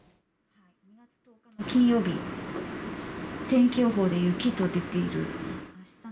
金曜日、天気予報で雪と出ている。